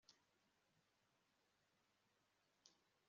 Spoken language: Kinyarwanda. kumubwira ati wigaruriye yope